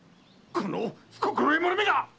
この不心得者めが‼〕